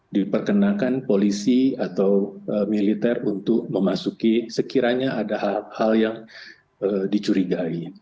diperkenakan polisi atau militer untuk memasuki sekiranya ada hal hal yang dicurigai